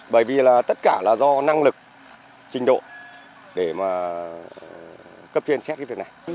bởi vì là tất cả là do năng lực trình độ để mà cấp chuyên xét cái việc này